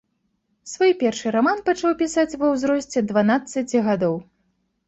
Свой першы раман пачаў пісаць ва ўзросце дванаццаці гадоў.